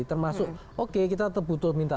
termasuk oke kita butuh minta